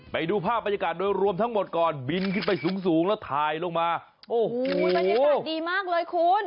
ไปดูภาพบรรยากาศโดยรวมทั้งหมดก่อนบินขึ้นไปสูงสูงแล้วถ่ายลงมาโอ้โหบรรยากาศดีมากเลยคุณ